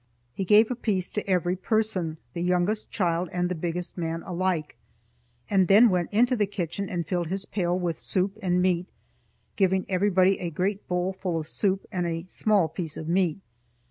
He gave a piece to every person, the youngest child and the biggest man alike, and then went into the kitchen and filled his pail with soup and meat, giving everybody a great bowl full of soup and a small piece of meat.